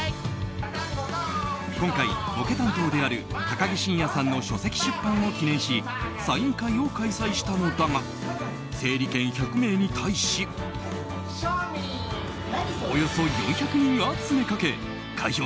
今回ボケ担当である高木晋哉さんの書籍出版を記念しサイン会を開催したのだが整理券１００枚に対しおよそ４００人が詰めかけ会場